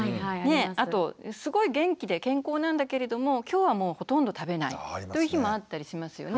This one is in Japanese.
あとすごい元気で健康なんだけれども今日はもうほとんど食べないという日もあったりしますよね。